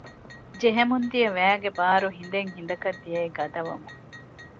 ޖެހެމުންދިޔަ ވައިގެ ބާރު ހިނދެއް ހިނދަކަށް ދިޔައީ ގަދަވަމުން